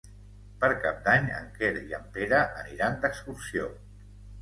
Per Cap d'Any en Quer i en Pere aniran d'excursió.